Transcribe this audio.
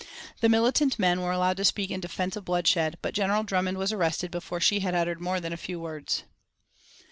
The militant men were allowed to speak in defence of bloodshed; but General Drummond was arrested before she had uttered more than a few words.